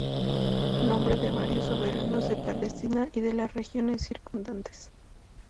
Nombre de varios soberanos de Palestina y de las regiones circundantes.